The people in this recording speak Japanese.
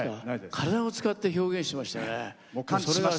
体を使って表現しましたよね。